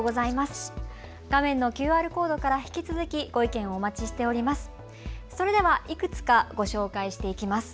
画面のＱＲコードから引き続きご意見、お待ちしています。